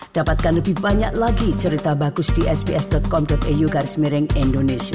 dapatkan lebih banyak lagi cerita bagus di sbs com au garis miring indonesia